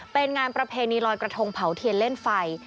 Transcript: เป็นงานประเพณีลอยกระทงเผาเทียนเล่นไฟ